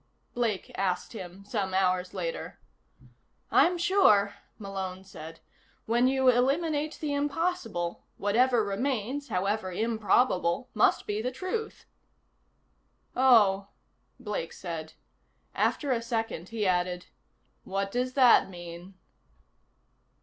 Blake asked him, some hours later. "I'm sure," Malone said. "When you eliminate the impossible, whatever remains, however improbable, must be the truth." "Oh," Blake said. After a second he added: "What does that mean?"